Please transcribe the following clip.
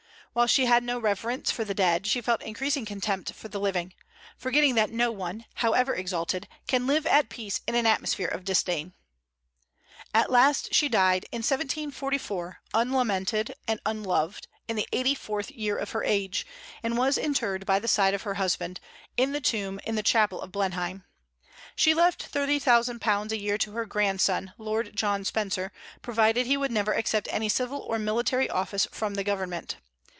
While she had no reverence for the dead, she felt increasing contempt for the living, forgetting that no one, however exalted, can live at peace in an atmosphere of disdain. At last she died, in 1744, unlamented and unloved, in the eighty fourth year of her age, and was interred by the side of her husband, in the tomb in the chapel of Blenheim. She left £30,000 a year to her grandson, Lord John Spencer, provided he would never accept any civil or military office from the Government.